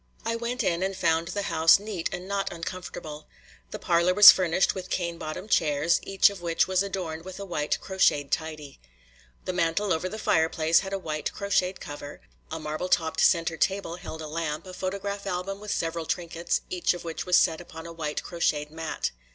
I went in and found the house neat and not uncomfortable. The parlor was furnished with cane bottomed chairs, each of which was adorned with a white crocheted tidy. The mantel over the fireplace had a white crocheted cover; a marble topped center table held a lamp, a photograph album and several trinkets, each of which was set upon a white crocheted mat.